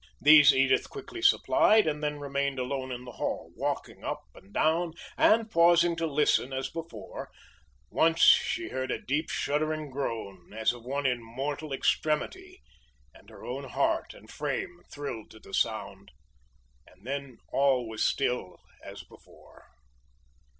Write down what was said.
These Edith quickly supplied, and then remained alone in the hall, walking up and down, and pausing to listen as before; once she heard a deep shuddering groan, as of one in mortal extremity, and her own heart and frame thrilled to the sound, and then all was still as before.